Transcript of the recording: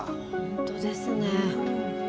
本当ですね。